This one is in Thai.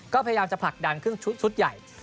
ก็พยายามจะผลักดันขึ้นชุดใหญ่